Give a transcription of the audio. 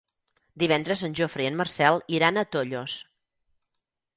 Divendres en Jofre i en Marcel iran a Tollos.